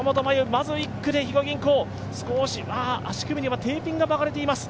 まず１区で肥後銀行、足首にはテーピングが巻かれています。